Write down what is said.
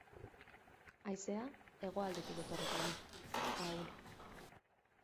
Haizea, hegoaldetik etorriko da, ahul.